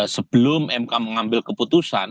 sebelum mk mengambil keputusan